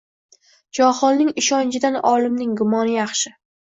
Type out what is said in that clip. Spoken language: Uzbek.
Johilning ishonchidan olimning gumoni yaxshi.